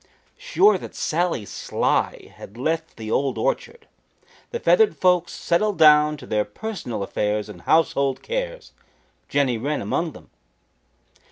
Sure that Sally Sly had left the Old Orchard, the feathered folks settled down to their personal affairs and household cares, Jenny Wren among them.